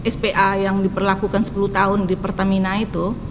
spa yang diperlakukan sepuluh tahun di pertamina itu